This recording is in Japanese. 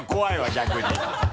逆に。